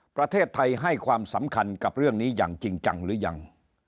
ประเทศไทยให้ความสำคัญกับเรื่องนี้อย่างจริงจังหรือยัง